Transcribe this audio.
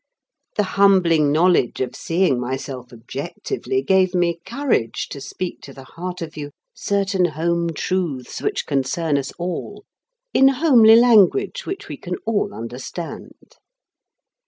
The humbling knowledge of seeing myself objectively, gave me courage to speak to the heart of you certain home truths which concern us all, in homely language which we can all understand.